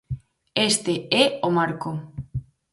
Este é o marco.